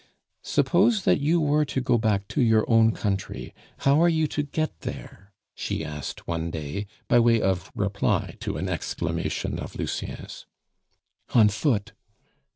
"Suppose that you were to go back to your own country, how are you to get there?" she asked one day, by way of reply to an exclamation of Lucien's. "On foot."